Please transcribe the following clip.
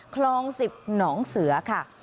คลอง๑๐หนองเสือค่ะ